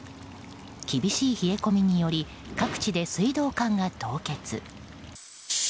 厳しい冷え込みにより各地で水道管が凍結。